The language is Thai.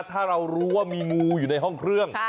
ถ้าเรารู้ว่ามีงูอยู่ในห้องเครื่อง